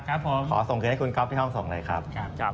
ขอส่งคืนให้คุณก๊อปที่ห้องส่งเลยครับ